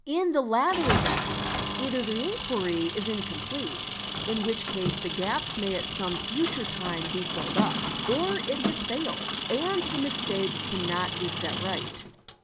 In the latter event, either the inquiry is incomplete,—in which | case the gaps may at some future time be filled up; or it has fadled, and | the mistake cannot be set right.